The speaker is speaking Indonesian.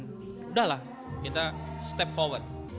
sudahlah kita step forward